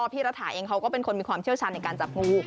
พี่รัฐาเองเขาก็เป็นคนมีความเชี่ยวชาญในการจับงู